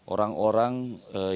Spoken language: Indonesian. orang orang yang berkarya